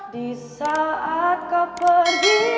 di saat kau pergi